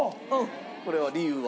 これは理由は？